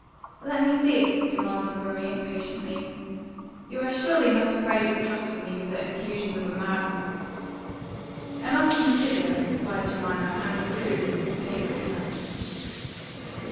"Let me see it," demanded Maria impatiently, "You surely are not afraid of trusting me with the effusions of a madman?" "I must consider," replied Jemima; and withdrew, with the paper in her hand.